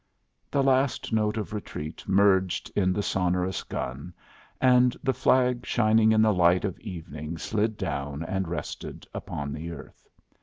The last note of retreat merged in the sonorous gun, and the flag shining in the light of evening slid down and rested upon the earth.